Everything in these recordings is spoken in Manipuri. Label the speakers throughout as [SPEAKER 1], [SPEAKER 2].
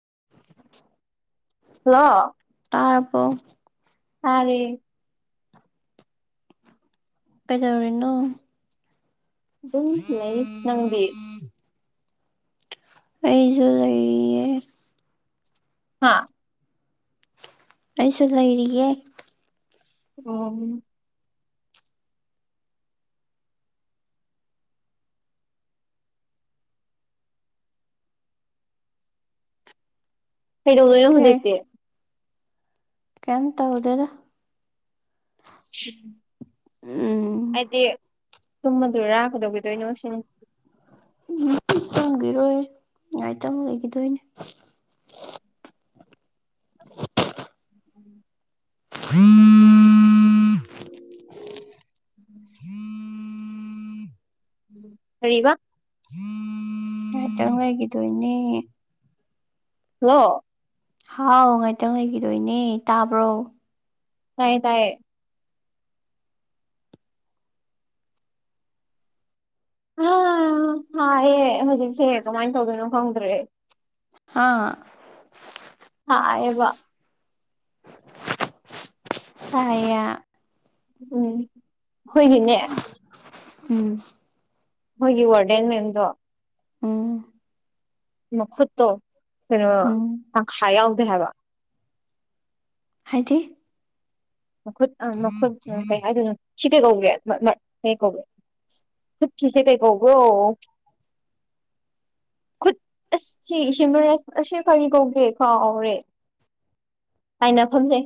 [SPEAKER 1] ꯑꯟꯑꯣꯗꯤꯕꯜ
[SPEAKER 2] ꯍꯜꯂꯣ
[SPEAKER 1] ꯇꯥꯔꯕꯣ
[SPEAKER 2] ꯇꯥꯔꯦ
[SPEAKER 1] ꯀꯩꯗꯧꯔꯤꯅꯣ
[SPEAKER 2] ꯑꯗꯨꯝ ꯂꯩ ꯅꯪꯗꯤ
[SPEAKER 1] ꯑꯩꯁꯨ ꯂꯩꯔꯤꯌꯦ
[SPEAKER 2] ꯍꯥꯥ
[SPEAKER 1] ꯑꯩꯁꯨ ꯂꯩꯔꯤꯌꯦ
[SPEAKER 2] ꯑꯣ ꯀꯩꯗꯧꯗꯣꯏꯅꯣ
[SPEAKER 1] ꯀꯩ
[SPEAKER 2] ꯍꯧꯖꯤꯛꯇꯦ
[SPEAKER 1] ꯀꯩꯝ ꯇꯧꯗꯦꯗ ꯎꯝ
[SPEAKER 2] ꯑꯩꯗꯤ ꯇꯨꯝꯃꯗꯨꯏꯔꯥ ꯀꯗꯧꯒꯤꯗꯣꯏꯅꯣ ꯁꯤꯅꯤ
[SPEAKER 1] ꯇꯨꯝꯒꯤꯔꯣꯏ ꯉꯥꯏꯇꯪ ꯂꯩꯈꯤꯗꯣꯏꯅꯦ ꯎꯝ
[SPEAKER 2] ꯑꯟꯑꯣꯗꯤꯕꯜ ꯀꯔꯤꯕ
[SPEAKER 1] ꯉꯥꯛꯇꯪ ꯂꯩꯒꯤꯗꯣꯏꯅꯦ
[SPEAKER 2] ꯍꯜꯂꯣ
[SPEAKER 1] ꯍꯥꯎ ꯉꯥꯏꯇꯪ ꯂꯩꯒꯤꯗꯣꯏꯅꯦ ꯇꯥꯕ꯭ꯔꯣ
[SPEAKER 2] ꯇꯥꯏꯌꯦ ꯇꯥꯏꯌꯦ ꯍ ꯁꯥꯏꯌꯦ ꯍꯧꯖꯤꯛꯁꯦ ꯀꯃꯥꯏꯅ ꯇꯧꯗꯣꯏꯅꯣ ꯈꯪꯗ꯭ꯔꯦ
[SPEAKER 1] ꯑꯥ
[SPEAKER 2] ꯁꯥꯌꯦꯕ
[SPEAKER 1] ꯁꯥꯏꯌꯦ
[SPEAKER 2] ꯎꯝ ꯈꯣꯏꯒꯤꯅꯦ
[SPEAKER 1] ꯎꯝ
[SPEAKER 2] ꯈꯣꯏꯒꯤ ꯋꯥꯔꯗꯦꯟ ꯃꯦꯝꯗꯣ
[SPEAKER 1] ꯎꯝ
[SPEAKER 2] ꯃꯈꯨꯠꯇꯣ ꯀꯩꯅꯣ
[SPEAKER 1] ꯎꯝ
[SPEAKER 2] ꯇꯪꯈꯥꯏ ꯌꯥꯎꯗꯦ ꯍꯥꯏꯕ
[SPEAKER 1] ꯍꯥꯏꯗꯤ
[SPEAKER 2] ꯃꯈꯨꯠ ꯑ ꯃꯈꯨꯠ ꯑ ꯀꯩ ꯍꯥꯏꯗꯣꯏꯅꯣ ꯁꯤ ꯀꯩ ꯀꯧꯒꯦ ꯃ ꯃ ꯀꯩ ꯀꯧꯒꯦ ꯈꯨꯠꯀꯤꯁꯦ ꯀꯩ ꯀꯣꯕ꯭ꯔꯣ ꯑꯟꯑꯣꯗꯤꯕꯜ ꯈꯨꯠ ꯑꯁ ꯁꯤ ꯍ꯭ꯌꯨꯃꯔꯁ ꯑꯁꯤ ꯀꯔꯤ ꯀꯧꯒꯦ ꯀꯥꯎꯔꯦ ꯍꯥꯏꯅ ꯐꯝꯖꯩ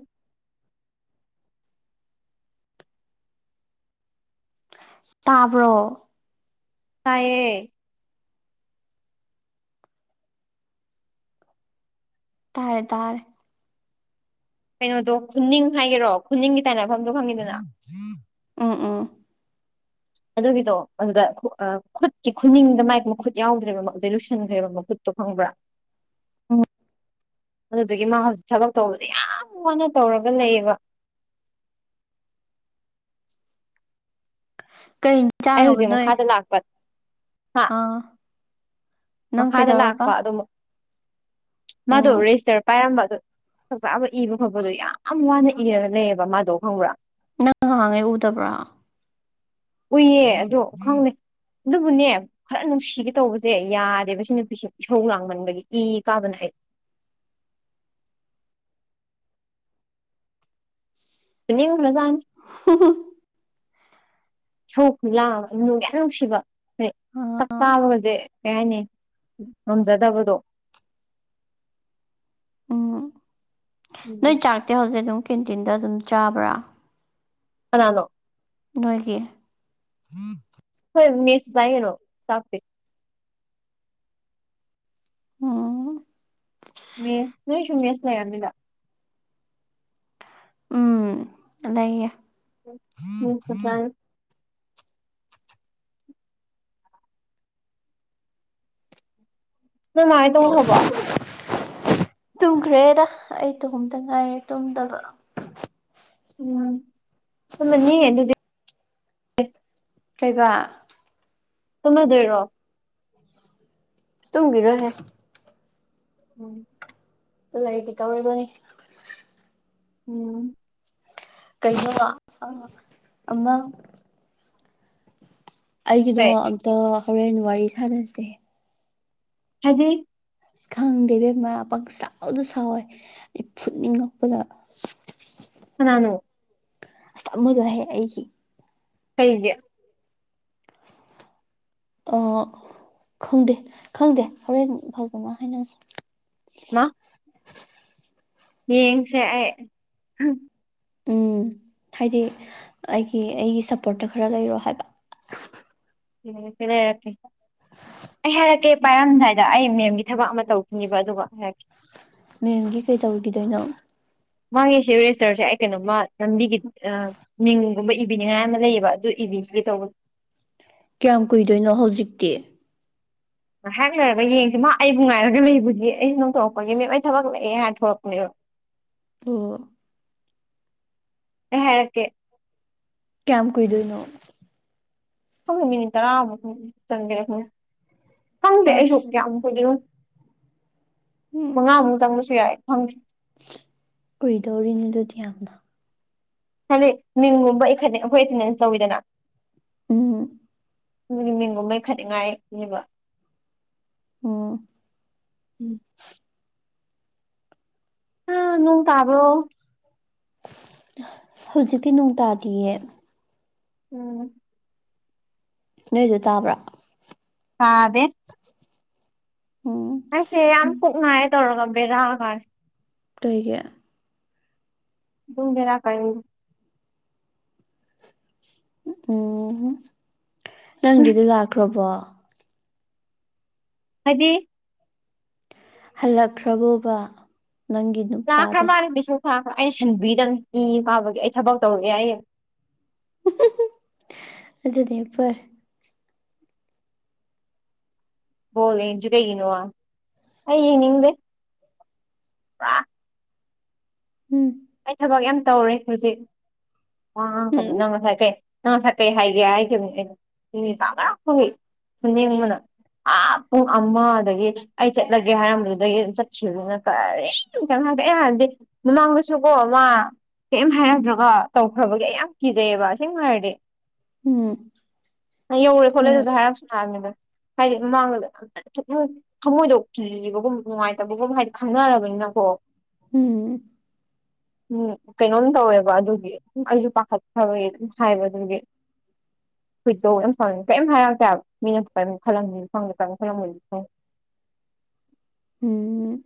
[SPEAKER 1] ꯇꯥꯕ꯭ꯔꯣ
[SPEAKER 2] ꯇꯌꯦꯌꯦ
[SPEAKER 1] ꯇꯥꯔꯦ ꯇꯥꯔꯦ
[SPEAKER 2] ꯀꯩꯅꯣꯗꯣ ꯈꯨꯅꯤꯡ ꯍꯥꯏꯒꯦꯔꯣ ꯈꯨꯅꯤꯡꯒꯤ ꯇꯥꯏꯅꯐꯝꯗꯣ ꯐꯪꯉꯤꯗꯅ
[SPEAKER 1] ꯎꯝ ꯎꯝ
[SPEAKER 2] ꯑꯗꯨꯒꯤꯗꯣ ꯑꯗꯨꯗ ꯈꯨꯠꯀꯤ ꯈꯨꯅꯤꯡꯗ ꯃꯥꯏ ꯃꯈꯨꯠ ꯌꯥꯎꯗ꯭ꯔꯦꯕ ꯑꯗꯨꯗꯩ ꯂꯨꯁꯟꯈ꯭ꯔꯦꯕ ꯃꯈꯨꯠꯇꯣ ꯈꯪꯕ꯭ꯔꯥ
[SPEAKER 1] ꯑꯣ
[SPEAKER 2] ꯑꯗꯨꯗꯒꯤ ꯃꯥ ꯍꯧꯖꯤꯛ ꯊꯕꯛ ꯇꯧꯕꯗ ꯌꯥꯝ ꯋꯥꯅ ꯇꯧꯔꯒ ꯂꯩꯌꯦꯕ [unintelligible]
[SPEAKER 1] ꯀꯩ
[SPEAKER 2] ꯑꯩ
[SPEAKER 1] ꯏꯟꯖꯥꯡꯑꯕ
[SPEAKER 2] ꯍꯧꯖꯤꯛ
[SPEAKER 1] ꯅꯣꯏ
[SPEAKER 2] ꯃꯈꯥꯗ ꯂꯥꯛꯄ ꯍꯥ
[SPEAKER 1] ꯑꯥ ꯅꯪ
[SPEAKER 2] ꯃꯈꯥꯗ
[SPEAKER 1] ꯀꯩꯗꯧꯔꯕ
[SPEAKER 2] ꯂꯥꯛꯄ ꯑꯗꯨꯝ ꯃꯥꯗꯣ
[SPEAKER 1] ꯎꯝ
[SPEAKER 2] ꯔꯦꯖꯤꯁꯇꯔ ꯄꯥꯏꯔꯝꯕꯒ ꯑꯗꯨ ꯆꯥꯛ ꯆꯥꯕ ꯏꯕ ꯈꯣꯠꯄꯗꯣ ꯌꯥꯝ ꯋꯥꯅ ꯏꯔꯒ ꯂꯩꯌꯦꯕ ꯃꯥꯗꯣ ꯈꯪꯕ꯭ꯔꯥ
[SPEAKER 1] ꯅꯪ ꯉꯍꯥꯡꯉꯩ ꯎꯗꯕ꯭ꯔꯥ
[SPEAKER 2] ꯎꯏꯌꯦ ꯑꯗꯣ ꯈꯪꯅꯤ ꯑꯗꯨꯕꯨꯅꯦ ꯈꯔ ꯅꯨꯡꯁꯤꯒꯦ ꯇꯧꯕꯁꯦ ꯌꯥꯗꯦꯕ ꯁꯤ ꯅꯨꯄꯤꯁꯦ ꯏꯍꯧ ꯂꯥꯡꯃꯟꯕꯒꯤ ꯏ ꯀꯥꯕꯅ ꯍꯥꯏ [unintelligible] ꯄꯨꯅꯤ ꯔꯖꯥꯟ ꯁꯧ ꯈꯨ ꯂꯥꯡꯑꯕ ꯅꯅꯨꯡ ꯌꯥꯝ ꯅꯨꯡꯁꯤꯕ ꯍꯩ ꯆꯥꯛꯇꯥꯕꯒꯁꯦ ꯀꯩ ꯍꯥꯏꯅꯤ ꯉꯝꯖꯗꯕꯗꯣ
[SPEAKER 1] ꯎꯝ ꯅꯣꯏ ꯆꯥꯛꯇꯦ ꯍꯧꯖꯤꯛ ꯑꯗꯨꯝ ꯀꯦꯟꯇꯤꯟꯗ ꯑꯗꯨꯝ ꯆꯥꯕ꯭ꯔꯥ
[SPEAKER 2] ꯑꯅꯣ
[SPEAKER 1] ꯅꯣꯏꯒꯤ
[SPEAKER 2] ꯅꯁ ꯇꯩꯅꯣ ꯆꯐꯇꯦ
[SPEAKER 1] ꯑꯝ
[SPEAKER 2] ꯃꯦꯁ ꯅꯣꯏꯁꯨ ꯃꯦꯁ ꯂꯩꯔꯃꯤꯗꯥꯛ
[SPEAKER 1] ꯎꯝ ꯑꯗꯑꯦ
[SPEAKER 2] ꯍꯝ ꯆꯔ ꯅꯉꯥꯏꯇꯝ ꯍꯕ
[SPEAKER 1] ꯇꯨꯝꯈ꯭ꯔꯦꯗ ꯑꯩ ꯇꯣꯝꯗ ꯉꯥꯏꯔꯦ ꯇꯨꯝꯗꯕ
[SPEAKER 2] ꯎꯝꯃꯅꯤ ꯑꯗꯨꯗꯤ
[SPEAKER 1] ꯀꯩꯕ
[SPEAKER 2] ꯇꯃꯦꯗꯔꯣ
[SPEAKER 1] ꯇꯨꯡꯒꯤꯔꯣꯍꯦ
[SPEAKER 2] ꯎꯝ
[SPEAKER 1] ꯂꯩꯒ ꯇꯧꯔꯤꯕꯅꯤ
[SPEAKER 2] ꯎꯝ
[SPEAKER 1] ꯀꯩꯅꯣ ꯅ ꯑꯃ ꯑꯩꯒꯤꯗꯣ
[SPEAKER 2] ꯀꯩ
[SPEAKER 1] ꯑꯝꯇ ꯍꯣꯔꯦꯟ ꯋꯥꯔꯤ ꯁꯥꯟꯅꯁꯦ
[SPEAKER 2] ꯍꯥꯏꯗꯤ
[SPEAKER 1] ꯈꯪꯗꯩꯗꯩ ꯃꯔꯥ ꯄꯛ ꯆꯥꯎꯅ ꯁꯥꯎꯋꯦ ꯐꯨꯠꯅꯤꯡꯉꯛꯄꯗ
[SPEAKER 2] ꯀ ꯅꯥꯅꯣ
[SPEAKER 1] ꯁꯃꯖꯍ ꯑꯩꯒꯤ
[SPEAKER 2] ꯍꯦꯡꯒꯤ
[SPEAKER 1] ꯑ ꯈꯪꯗꯦ ꯈꯪꯗꯦ ꯍꯣꯔꯦꯟ ꯏ ꯐꯥꯎꯗꯅ ꯍꯥꯏꯅꯁꯤ
[SPEAKER 2] ꯃꯥ ꯌꯦꯡꯁꯦ ꯑꯩ
[SPEAKER 1] ꯎꯝ ꯍꯥꯏꯗꯤ ꯑꯩꯒꯤ ꯑꯩꯒꯤ ꯁꯞꯄꯣꯔꯠꯇ ꯈꯔ ꯂꯩꯔꯣ ꯍꯥꯏꯕ
[SPEAKER 2] ꯐꯤꯅ ꯏꯔꯀꯤꯦ [unintelligible] [inaudible] ꯑꯩ ꯍꯥꯏꯔꯛꯀꯦ ꯄꯥꯏꯔꯝꯗꯥꯏꯗ ꯑꯩ ꯃꯦꯝꯒꯤ ꯊꯕꯛ ꯑꯃ ꯇꯧꯈꯤꯅꯦꯕ ꯑꯗꯨꯒ ꯍꯥꯏꯔꯛꯀꯦ
[SPEAKER 1] ꯃꯦꯝꯒꯤ ꯀꯩ ꯇꯧꯈꯤꯗꯣꯏꯅꯣ
[SPEAKER 2] ꯃꯥꯒꯤ ꯁꯤ ꯔꯦꯖꯤꯁꯇꯔꯁꯦ ꯑꯩ ꯀꯩꯅꯣꯃ ꯂꯝꯕꯤꯒꯤ ꯒꯨꯝꯕ ꯏꯕꯤꯅꯤꯉꯥꯏ ꯑꯃ ꯂꯩꯌꯦꯕ ꯑꯗꯨ ꯔꯤ ꯇꯧꯕ
[SPEAKER 1] ꯀꯌꯥꯝ ꯀꯨꯏꯗꯣꯏꯅꯣ ꯍꯧꯖꯤꯛꯇꯤ
[SPEAKER 2] ꯉꯥꯏꯍꯥꯛ ꯂꯩꯣꯏꯔꯒ ꯌꯦꯡꯁꯤ ꯃꯥ ꯑꯩꯕꯨ ꯉꯥꯏꯔꯒ ꯂꯩꯕꯒꯤꯦ ꯑꯩꯁꯨ ꯅꯣꯡ ꯇꯣꯔꯛꯄꯒꯤꯦ ꯃꯦꯝ ꯑꯩ ꯊꯕꯛ ꯂꯛꯑꯦ ꯍꯥꯏꯅ ꯊꯣꯛꯂꯛꯄꯅꯦꯕ
[SPEAKER 1] ꯑꯣ
[SPEAKER 2] ꯍꯦꯀꯦ [inaudible]
[SPEAKER 1] ꯀꯌꯥꯝ ꯀꯨꯏꯗꯣꯏꯅ
[SPEAKER 2] ꯈꯪꯉꯣ ꯃꯤꯅꯤꯠ ꯇꯔꯥꯃꯨꯛ ꯈꯪ ꯆꯪꯒꯦ ꯈꯪꯉ ꯈꯪꯗꯦ ꯑꯩꯁꯨ
[SPEAKER 1] ꯑꯁ
[SPEAKER 2] ꯀꯌꯥꯃꯨꯛ ꯀꯨꯗꯣꯏꯅꯣ ꯃꯉꯥꯃꯨꯛ ꯆꯪꯕꯁꯨ ꯌꯥꯏ ꯐꯪꯗ꯭ꯔꯦ
[SPEAKER 1] ꯀꯏꯗꯧꯔꯤꯅꯤ ꯑꯗꯨꯗꯤ ꯌꯥꯝꯅ
[SPEAKER 2] ꯍꯥꯏꯗꯗꯤ ꯃꯤꯡꯒꯨꯝꯕ ꯏ ꯑꯩꯈꯣꯏ ꯑꯦꯇꯦꯟꯗꯦꯟꯁ ꯇꯧꯋꯤꯗꯅ
[SPEAKER 1] ꯎꯝ
[SPEAKER 2] ꯑꯗꯨꯒꯤ ꯃꯤꯡꯒꯨꯝꯕꯩ ꯈꯅꯤꯡꯉꯥꯏꯕ
[SPEAKER 1] ꯑꯣ
[SPEAKER 2] ꯎꯝ ꯑ ꯅꯣꯡ ꯇꯥꯕ꯭ꯔꯣ
[SPEAKER 1] ꯍꯧꯖꯤꯛꯇꯤ ꯅꯣꯡ ꯇꯥꯗꯤꯌꯦ
[SPEAKER 2] ꯎꯝ [unintelligible] [inaudible]
[SPEAKER 1] ꯅꯣꯏꯁꯨ ꯇꯥꯕ꯭ꯔꯥ
[SPEAKER 2] ꯇꯥꯗꯦ
[SPEAKER 1] ꯎꯝ
[SPEAKER 2] ꯑꯩꯁꯦ ꯌꯥꯝ ꯄꯨꯛ ꯉꯥꯏ ꯇꯧꯔꯒ ꯕꯦꯔꯥꯒ
[SPEAKER 1] ꯀꯔꯤꯒꯤ
[SPEAKER 2] ꯑꯗꯨꯝꯗꯔꯥ ꯀ [inaudible]
[SPEAKER 1] ꯎꯝ ꯅꯪꯗꯨꯗꯤ ꯂꯥꯛꯈ꯭ꯔꯕꯣ
[SPEAKER 2] ꯍꯥꯏꯗꯤ
[SPEAKER 1] ꯍꯜꯂꯛꯈ꯭ꯔꯕꯣꯕ ꯅꯪꯒꯤ
[SPEAKER 2] ꯂꯥꯛꯈ꯭ꯔ
[SPEAKER 1] ꯅꯨꯄꯥꯗꯣ
[SPEAKER 2] ꯃꯥꯜꯂꯦ ꯃꯦꯁꯦꯁ ꯑꯩꯅ ꯍꯟꯕꯤꯗꯕ ꯏ ꯀꯥꯕꯒꯤ ꯑꯩ ꯊꯕꯛ ꯇꯧꯔꯛꯑꯦ ꯑꯩ
[SPEAKER 1] [inaudible] ꯑꯗꯨꯗꯅꯦꯄ
[SPEAKER 2] ꯕꯣꯜ ꯌꯦꯪ ꯗꯔ꯭ꯤ ꯀꯔꯤꯒꯤꯅꯣꯑꯩ ꯌꯦꯪꯅꯤꯡꯗꯦ ꯑ [unintelligible] [inaudible]
[SPEAKER 1] ꯎꯝ
[SPEAKER 2] ꯑꯩ ꯊꯕꯛ ꯌꯥꯝ ꯇꯧꯔꯦ ꯍꯧꯖꯤꯛ ꯋꯥ ꯀꯩꯅꯣ
[SPEAKER 1] ꯎꯝ
[SPEAKER 2] ꯅꯪ ꯉꯁꯥꯏ ꯀꯩ ꯅꯪ ꯁꯀꯩ ꯍꯥꯏꯒꯦ ꯍꯥꯏꯈꯤꯕꯅꯤ ꯑꯩꯅ ꯄ ꯉ ꯐꯪ ꯁꯨꯝ ꯅꯡꯕꯅ ꯑ ꯄꯨꯡ ꯑꯃꯗꯒꯤ ꯑꯩ ꯆꯠꯂꯒꯦ ꯍꯥꯏꯔꯝꯕꯗꯨꯗꯒꯤ ꯑꯗꯨꯝ ꯆꯠꯈꯤꯕꯗꯨꯅ ꯀꯔꯤ ꯑꯦ ꯂꯪ ꯆꯁꯨꯀꯣ ꯃꯥ ꯀꯩꯝ ꯍꯥꯏꯔꯝꯗ꯭ꯔꯒ ꯇꯧꯈ꯭ꯔꯕꯒꯦ ꯑꯩ ꯌꯥꯝ ꯀꯤꯖꯩꯑꯕ ꯁꯦꯡꯅ ꯍꯥꯏꯔꯗꯤ
[SPEAKER 1] ꯎꯝ
[SPEAKER 2] ꯌꯧꯔꯦ ꯈꯣꯠꯂꯦ
[SPEAKER 1] ꯍꯣꯏ
[SPEAKER 2] ꯑꯗꯨꯁꯨ ꯍꯥꯏꯔꯥꯡꯁꯨ ꯂꯥꯛꯑꯅꯤꯗ ꯍꯥꯏꯗꯤ ꯃꯃꯥꯡꯗꯗ ꯊꯃꯣꯏꯗꯣꯛ ꯀꯤꯕꯒꯨꯝ ꯅꯨꯡꯉꯥꯏꯇꯕꯒꯨꯝ ꯍꯥꯏꯗꯤ ꯈꯪꯅꯔꯕꯅꯤꯅ ꯍꯣ
[SPEAKER 1] ꯍꯝ
[SPEAKER 2] [inaudible] [unintelligible] ꯎꯝ ꯀꯩꯅꯣꯝ ꯇꯧꯋꯦꯕ ꯑꯗꯨꯒꯤ ꯑꯩꯁꯨ ꯄꯥꯈꯠꯈ꯭ꯔꯕꯒꯤ ꯑꯗꯨꯝ ꯍꯥꯏꯕ ꯑꯗꯨꯒꯤ [inaudible] [unintelligible] ꯍꯨꯏꯗꯣ ꯌꯥꯝ ꯁ ꯀꯔꯤꯝ ꯍꯥꯏꯔꯛꯑꯇꯦ ꯍꯥꯏꯕ ꯃꯤꯅꯁꯨ ꯀꯔꯤꯝ ꯈꯜꯂꯝ ꯐꯪꯗꯦ ꯀꯔꯤꯝ ꯈꯜꯂꯝꯕꯗꯤ ꯐꯪꯦ [inaudible] [unintelligible]
[SPEAKER 1] ꯎꯝ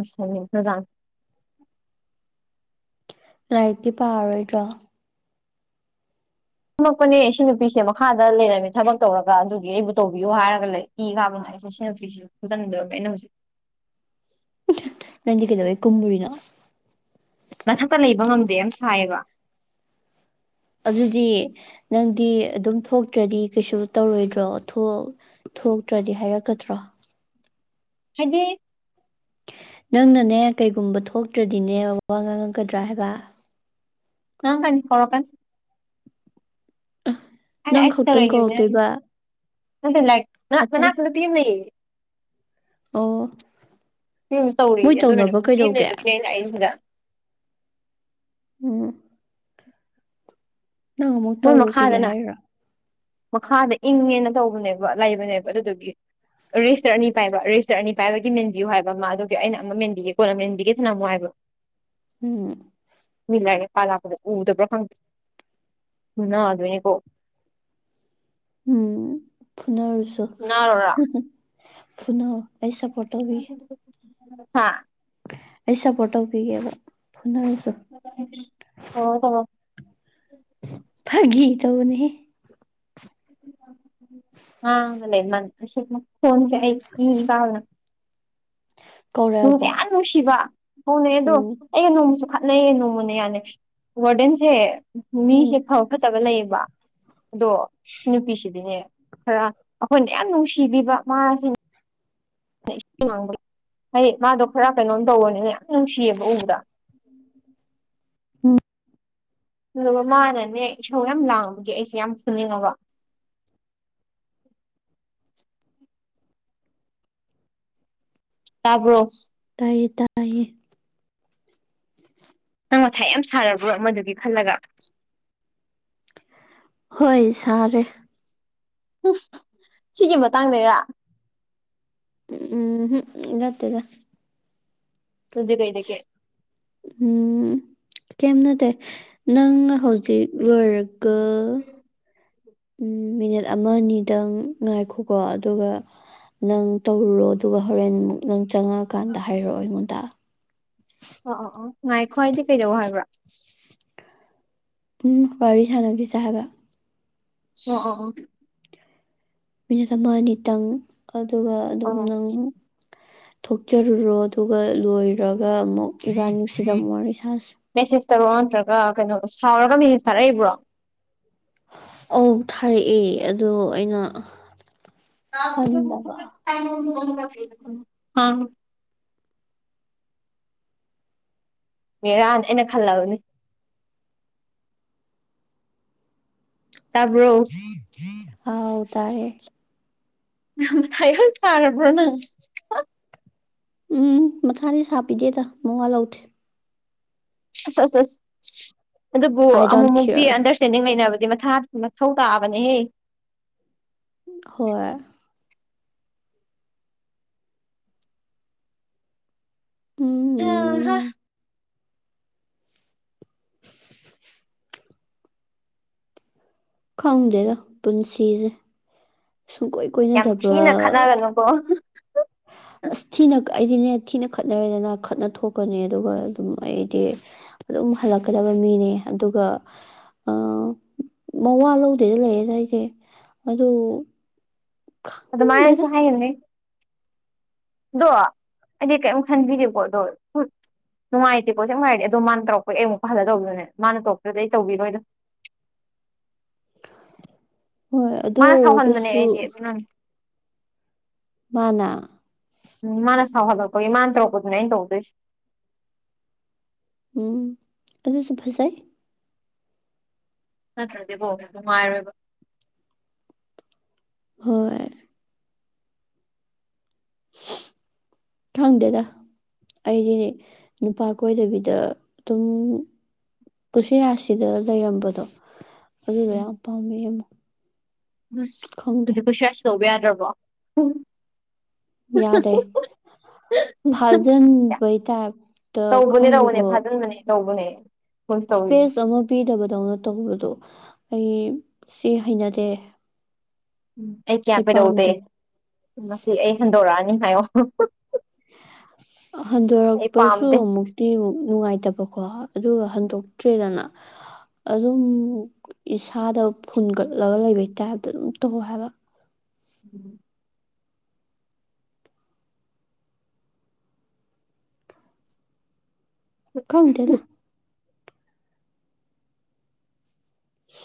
[SPEAKER 2] ꯑꯁꯅꯦ ꯅꯖꯥ
[SPEAKER 1] ꯉꯥꯏꯇꯤ ꯄꯥꯔꯣꯏꯗ꯭ꯔꯣ
[SPEAKER 2] ꯊꯝꯃꯛꯄꯅꯦ ꯁꯤ ꯅꯨꯄꯤꯁꯦ ꯃꯈꯥꯗ ꯂꯩꯔꯝꯃꯦ ꯊꯕꯛ ꯇꯧꯔꯒ ꯑꯗꯨꯒꯤ ꯑꯩꯕꯨ ꯇꯧꯕꯤꯌꯨ ꯍꯥꯏꯔꯒ ꯂꯩ ꯀꯒꯕ ꯅ ꯐꯤꯁꯨ ꯐꯖꯟꯗꯔꯕ ꯑꯩꯅ ꯍꯧꯖꯤꯛ
[SPEAKER 1] ꯅꯟ ꯀꯩꯗꯋꯦ ꯀꯨꯝꯃꯨꯔꯤꯅꯣ
[SPEAKER 2] ꯃꯊꯛꯇ ꯂꯩꯕ ꯉꯝꯗꯦ ꯌꯥꯝ ꯁꯥꯏꯌꯦꯕ
[SPEAKER 1] ꯑꯗꯨꯗꯤ ꯅꯪꯗꯤ ꯑꯗꯨꯝ ꯊꯣꯛꯇ꯭ꯔꯗꯤ ꯀꯩꯁꯨ ꯇꯧꯔꯣꯏꯗ꯭ꯔꯣ ꯊꯣꯛ ꯊꯣꯛꯇ꯭ꯔꯗꯤ ꯍꯥꯏꯔꯛꯀꯗ꯭ꯔꯣ
[SPEAKER 2] ꯎꯝ ꯍꯥꯏꯗꯤ
[SPEAKER 1] ꯅꯪꯅꯅꯦ ꯀꯩꯒꯨꯝꯕ ꯊꯣꯛꯇ꯭ꯔꯗꯤꯅꯦ ꯋꯥ ꯉꯥꯡꯉꯛꯀꯗ꯭ꯔꯥ ꯍꯥꯏꯕ
[SPEAKER 2] [unintelligible] ꯀꯅꯤ [unintelligible] ꯀꯅꯤ
[SPEAKER 1] ꯅꯪ
[SPEAKER 2] ꯑꯩꯁꯨ
[SPEAKER 1] ꯈꯛꯇꯪ
[SPEAKER 2] ꯇꯧꯔꯈꯤꯕꯅꯦ [unintelligible]
[SPEAKER 1] ꯀꯧꯔꯛꯇꯣꯏꯕ
[SPEAKER 2] [unintelligible] [unintelligible]
[SPEAKER 1] ꯑꯇꯩ
[SPEAKER 2] ꯃꯅꯥꯛꯄ ꯅꯨꯄꯤ ꯑꯃ ꯂꯩꯌꯦ
[SPEAKER 1] ꯑꯣ
[SPEAKER 2] ꯎꯝ
[SPEAKER 1] ꯃꯣꯏ
[SPEAKER 2] ꯇꯧꯔꯤꯌꯦ ꯑꯗꯨꯅꯅꯦ
[SPEAKER 1] ꯇꯧꯅꯕ
[SPEAKER 2] ꯅꯨꯄꯤ ꯑꯃ
[SPEAKER 1] ꯀꯩꯗꯧꯒꯦ
[SPEAKER 2] ꯂꯩꯕꯒꯤꯅꯦ ꯑꯩꯅ ꯂꯥꯛꯏꯁꯤꯗ
[SPEAKER 1] ꯎꯝ ꯅꯪ ꯑꯃꯨꯛ
[SPEAKER 2] ꯃꯣꯏ
[SPEAKER 1] ꯇꯧꯔꯨꯈꯤꯒꯦ
[SPEAKER 2] ꯃꯈꯥꯗꯅ
[SPEAKER 1] ꯍꯥꯏꯔꯣ
[SPEAKER 2] ꯃꯈꯥꯗ ꯏꯪꯉꯦꯅ ꯇꯧꯕꯅꯦꯕ ꯂꯩꯕꯅꯦꯕ ꯑꯗꯨꯗꯨꯒꯤ ꯔꯦꯖꯤꯁꯇꯔ ꯑꯅꯤ ꯄꯥꯏꯕ ꯔꯦꯖꯤꯁꯇꯔ ꯑꯅꯤ ꯄꯥꯏꯕꯒꯤ ꯃꯦꯟꯕꯤꯌꯨ ꯍꯥꯏꯕ ꯑꯃ ꯑꯗꯨꯒꯤ ꯑꯩꯅ ꯑꯃ ꯃꯦꯟꯕꯤꯒꯦ ꯀꯣꯟꯅ ꯃꯦꯟꯕꯤꯒꯦ ꯊꯅꯝꯃꯨ ꯍꯥꯏꯕ [inaudible] [unintelligible]
[SPEAKER 1] ꯎꯝ
[SPEAKER 2] ꯃꯤ ꯂꯥꯏꯔꯤꯛ ꯄꯥ ꯂꯥꯛꯄꯗ ꯎꯗꯕ꯭ꯔꯣ ꯈꯪꯗꯦ [unintelligible] ꯀꯣ
[SPEAKER 1] ꯎꯝ ꯐꯨꯅꯔꯁꯨ
[SPEAKER 2] ꯐꯨꯅꯔꯣꯔꯥ
[SPEAKER 1] ꯐꯨꯅ ꯑꯩ ꯁꯄꯣꯠ ꯇꯧꯕꯤꯒꯦ
[SPEAKER 2] [inaudible] [unintelligible]
[SPEAKER 1] ꯑꯩ ꯁꯄꯣꯔꯠ ꯇꯧꯕꯤꯒꯦꯕ ꯐꯨꯅꯔꯨꯆꯣ
[SPEAKER 2] ꯇꯧꯔꯣ ꯇꯧꯔꯤ
[SPEAKER 1] ꯐꯥꯒꯤ ꯇꯧꯕꯅꯦꯍꯦ
[SPEAKER 2] [unintelligible] ꯅꯨꯡꯗꯤ
[SPEAKER 1] ꯀꯧꯔꯛꯑꯕꯣ
[SPEAKER 2] ꯌꯥꯝ ꯅꯨꯡꯁꯤꯕ ꯍꯧꯅꯩ ꯑꯗꯣ
[SPEAKER 1] ꯎꯝ
[SPEAKER 2] ꯑꯩꯩꯅ ꯅꯣꯡꯃ ꯈꯠꯅꯩꯌꯦ ꯅꯣꯡꯃꯅ ꯌꯥꯅꯩ ꯋꯥꯔꯗꯦꯟꯁꯦ
[SPEAKER 1] ꯎꯝ
[SPEAKER 2] ꯃꯤꯁꯦ ꯐꯕ ꯐꯠꯇꯕ ꯂꯩꯌꯦꯕ ꯑꯗꯣ ꯅꯨꯄꯤꯁꯤꯗꯤꯅꯦ ꯈꯔ ꯑꯩꯈꯣꯏꯅ ꯌꯥꯝ ꯅꯨꯡꯁꯤꯕꯤꯕ ꯃꯥꯁꯤ ꯏꯁꯤꯡ ꯃꯥꯡꯕ ꯍꯌꯦ ꯃꯥꯗꯣ ꯈꯔ ꯀꯩꯅꯣꯝ ꯇꯧꯕꯅꯤꯅ ꯌꯥꯝ ꯅꯨꯡꯁꯤꯌꯦꯕ ꯎꯕꯗ
[SPEAKER 1] ꯎꯝ
[SPEAKER 2] ꯑꯗꯨꯒ ꯃꯥꯅꯅꯦ ꯏꯁꯧ ꯌꯥꯝ ꯂꯥꯡꯕꯒꯤ ꯑꯩꯁꯦ ꯌꯥꯝ ꯐꯨꯅꯤꯡꯉꯕ [inaudible] [unintelligible] ꯇꯥꯕ꯭ꯔꯣ
[SPEAKER 1] ꯇꯥꯌꯦ ꯇꯥꯌꯦ
[SPEAKER 2] ꯅꯪ ꯃꯊꯥ ꯌꯥꯝ ꯁꯥꯔꯕ꯭ꯔꯣ ꯑꯃꯗꯨꯒꯤ ꯈꯜꯂꯒ
[SPEAKER 1] ꯍꯣꯏ ꯁꯥꯔꯦ
[SPEAKER 2] ꯁꯤꯒꯤ ꯃꯇꯥꯡꯗꯔꯥ
[SPEAKER 1] ꯎꯝꯝ ꯍꯨꯝ ꯅꯠꯇꯦꯗ
[SPEAKER 2] ꯑꯗꯨꯗꯤ ꯀꯩꯗꯒꯤ
[SPEAKER 1] ꯎꯝ ꯀꯩꯝ ꯅꯠꯇꯦ ꯅꯪ ꯍꯧꯖꯤꯛ ꯂꯣꯏꯔꯒ ꯎꯝ ꯃꯤꯅꯤꯠ ꯑꯃ ꯑꯅꯤꯗꯪ ꯉꯥꯏꯈꯣꯀꯣ ꯑꯗꯨꯒ ꯅꯪ ꯇꯧꯔꯨꯔꯣ ꯑꯗꯨꯒ ꯍꯣꯔꯦꯟꯃꯨꯛ ꯅꯪ ꯆꯪꯉꯛꯑꯀꯥꯟꯗ ꯍꯥꯏꯔꯛꯑꯣ ꯑꯩꯉꯣꯟꯗ
[SPEAKER 2] ꯑꯣ ꯑꯣ ꯑꯣ ꯉꯥꯏꯈꯣ ꯍꯥꯏꯗꯤ ꯀꯩꯗꯧ ꯍꯥꯏꯕ꯭ꯔꯥ
[SPEAKER 1] ꯎꯝ ꯋꯥꯔꯤ ꯁꯥꯅꯒꯤꯁꯦ ꯍꯥꯏꯕ
[SPEAKER 2] [unintelligible]
[SPEAKER 1] ꯃꯤꯅꯤꯠ ꯑꯃ ꯑꯅꯤꯇꯪ ꯑꯗꯨꯒ ꯑꯗꯨꯝ
[SPEAKER 2] ꯑꯣ
[SPEAKER 1] ꯅꯪ ꯊꯣꯛꯆꯔꯨꯔꯣ ꯑꯗꯨꯒ ꯂꯣꯏꯔꯒ ꯑꯃꯨꯛ ꯏꯕꯥꯥꯟꯅꯤ ꯁꯤꯗꯃꯨꯛ ꯋꯥꯔꯤ ꯁꯥꯟꯅ
[SPEAKER 2] ꯃꯦꯁꯦꯖꯇꯔꯣ ꯅꯠꯇ꯭ꯔꯒ ꯀꯩꯅꯣꯗꯣ ꯁꯥꯎꯔꯒ ꯃꯦꯁꯦꯖ ꯊꯥꯔꯛꯏꯕ꯭ꯔꯣ
[SPEAKER 1] ꯑꯧ ꯊꯥꯔꯛꯑꯦ ꯑꯗꯣ ꯑꯩꯅ ꯍꯟꯗꯕ
[SPEAKER 2] [unintelligible] [inaudible] ꯃꯦꯔꯥꯅ ꯑꯩꯅ ꯈꯜꯂꯕꯅꯤ ꯇꯥꯕ꯭ꯔꯣ
[SPEAKER 1] ꯥꯎ ꯇꯥꯔꯦ
[SPEAKER 2] ꯇꯥꯏ ꯍꯧꯣꯟ ꯁꯥꯥꯔꯔꯕ꯭ꯔꯣꯅ
[SPEAKER 1] ꯎꯝ ꯃꯊꯥꯗꯤ ꯁꯥꯄꯤꯗꯦꯗ ꯃꯉꯥ ꯂꯧꯊꯦ
[SPEAKER 2] ꯑꯁ ꯑꯁ ꯑꯁ ꯑꯗꯨꯕꯨ
[SPEAKER 1] ꯑꯥꯏ ꯗꯣꯟ
[SPEAKER 2] ꯑꯃꯨꯛꯃꯨꯛꯇꯤ
[SPEAKER 1] ꯀꯤꯌꯔ
[SPEAKER 2] ꯑꯟꯗꯔꯁꯇꯦꯟꯗꯤꯡ ꯂꯩꯅꯕ ꯑꯗꯨꯗꯤ ꯃꯊꯥ ꯃꯊꯧ ꯇꯥꯛꯑꯕꯅꯦꯍꯦ
[SPEAKER 1] ꯍꯣꯏ
[SPEAKER 2] ꯑ ꯍ
[SPEAKER 1] ꯎꯝ ꯈꯪꯗꯦꯗ ꯄꯨꯟꯁꯤꯁꯦ ꯁꯨꯡꯀꯣꯏ
[SPEAKER 2] ꯌꯥꯝ
[SPEAKER 1] ꯀꯣꯏꯅꯗꯕ
[SPEAKER 2] ꯊꯤꯅ ꯈꯠꯅꯒꯅꯨꯀꯣ
[SPEAKER 1] ꯑ ꯊꯤꯅ ꯀ ꯑꯩꯗꯤꯅꯦ ꯊꯤꯅ ꯈꯠꯅꯔꯦꯗꯅ ꯈꯠꯅ ꯊꯣꯛꯀꯅꯤ ꯑꯗꯨꯒ ꯑꯗꯨꯝ ꯑꯩꯗꯤ ꯑꯗꯨꯝ ꯍꯜꯂꯛꯀꯗꯕ ꯃꯤꯅꯦ ꯑꯗꯨꯒ ꯃꯋꯥ ꯂꯧꯗꯦꯗ ꯂꯩꯔꯦꯗ ꯑꯩꯁꯦ ꯑꯗꯨꯗ
[SPEAKER 2] ꯑꯗ ꯃꯥꯅꯅ ꯁꯍꯥꯏꯅꯤꯗꯣ ꯑ ꯀꯩꯝ ꯈꯟꯕꯤꯗꯨꯀꯣꯗꯣ ꯅꯨꯡꯉꯥꯏꯇꯦ ꯄꯣꯁꯦ ꯉꯥꯏꯔꯗꯤ ꯑꯗꯣ ꯃꯥꯅ ꯇꯧꯔꯛꯄꯩ ꯑꯩ ꯑꯃꯨꯛ ꯍꯜꯂꯗꯧꯕꯗꯨꯅꯦ ꯃꯥꯅ ꯇꯧꯄꯗ ꯑꯩ ꯇꯧꯕꯤꯔꯣꯏꯗꯣ [unintelligible] [unintelligible]
[SPEAKER 1] ꯍꯣꯏ ꯑꯗꯨ
[SPEAKER 2] ꯁꯥꯎꯍꯟꯕꯅꯦ
[SPEAKER 1] ꯑꯣꯏꯔꯒꯁꯨ
[SPEAKER 2] ꯑꯩꯗꯤ ꯑꯗꯨꯅ
[SPEAKER 1] ꯃꯥꯅꯥ
[SPEAKER 2] ꯍꯥꯎ ꯍꯜꯂꯣ ꯀ ꯏꯃꯥꯟ ꯇ꯭ꯔꯣ ꯀꯗꯨꯅꯦ ꯑꯩꯅ ꯇꯧꯗꯣꯏꯁꯤ
[SPEAKER 1] ꯎꯝ ꯑꯗꯨꯁꯨ ꯐꯖꯥꯏ
[SPEAKER 2] ꯅꯠꯇ꯭ꯔꯗꯤꯀꯣ ꯅꯨꯡꯉꯥꯏꯔꯣꯏꯕ
[SPEAKER 1] ꯍꯣꯏ
[SPEAKER 2] [unintelligible]
[SPEAKER 1] ꯊꯪꯗꯦꯗ ꯑꯩꯗꯤꯅꯦ ꯅꯨꯄꯥ ꯀꯣꯏꯗꯕꯤꯗ ꯑꯗꯨꯝ ꯄꯨꯟꯁꯤꯔꯥꯁꯤꯗ ꯂꯩꯔꯝꯕꯗꯣ ꯑꯗꯨꯗꯣ ꯌꯥꯝ ꯄꯥꯝꯃꯦ ꯑꯃꯛ
[SPEAKER 2] ꯑꯁ ꯍꯧꯖꯤꯛꯄꯨ ꯁꯔꯁꯨ ꯇꯧꯕ ꯌꯥꯗ꯭ꯔꯕꯣ
[SPEAKER 1] ꯌꯥꯗꯦ ꯐꯥꯖꯟ ꯄꯩ ꯇꯥꯏꯇ
[SPEAKER 2] ꯇꯧꯕꯅꯦ ꯇꯧꯕꯅꯦ
[SPEAKER 1] ꯈꯪꯖꯀꯣ
[SPEAKER 2] ꯐꯥꯖꯤꯟꯕꯅꯦ ꯇꯧꯕꯅꯦ ꯇꯧꯔꯤꯅꯦ
[SPEAKER 1] ꯏꯁꯄꯦꯁ ꯑꯃ ꯄꯤꯗꯕꯗꯧꯅ ꯇꯧꯕꯗꯣ ꯑꯩ ꯁꯤ ꯍꯩꯅꯗꯦ
[SPEAKER 2] ꯎꯝ ꯑꯩ ꯀꯌꯥ ꯀꯩꯗꯧꯗꯦ ꯃꯁꯤ ꯑꯩ ꯍꯟꯗꯣꯔꯛꯑꯅꯤ ꯍꯥꯏꯌꯣ [unintelligible] [inaudible] ꯑꯩ
[SPEAKER 1] ꯍꯟꯗꯣꯔꯛꯄꯁꯨ
[SPEAKER 2] ꯄꯥꯝꯗꯦ
[SPEAKER 1] ꯑꯃꯨꯛꯇꯤ ꯑꯃꯨꯛ ꯅꯨꯡꯉꯥꯏꯇꯕꯀꯣ ꯑꯗꯨꯒ ꯍꯟꯗꯣꯛꯇ꯭ꯔꯦꯗꯅ ꯑꯗꯨꯝ ꯏꯁꯥꯗ ꯐꯨꯟꯒꯠꯂꯒ ꯂꯩꯕꯩ ꯇꯥꯏꯞꯇ ꯑꯗꯨꯝ ꯇꯧ ꯍꯥꯏꯕ
[SPEAKER 2] ꯎꯝ
[SPEAKER 1] ꯀꯉꯗꯦꯗ